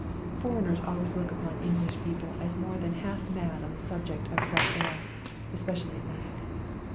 Foreigners always look upon English people as more than half mad on the subject of fresh air, especially at night.